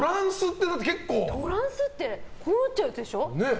トランスってこうなっちゃうやつでしょ？